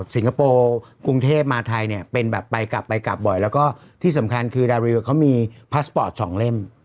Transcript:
คโปร์กรุงเทพมาไทยเนี่ยเป็นแบบไปกลับไปกลับบ่อยแล้วก็ที่สำคัญคือดาริวเขามีพาสปอร์ต๒เล่ม